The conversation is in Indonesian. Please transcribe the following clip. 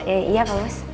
iya pak mas